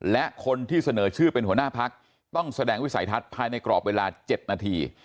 และคนที่เสนอชื่อเป็นหัวหน้าพักต้องแสดงวิสัยทัศน์ภายในกรอบเวลา๗นาที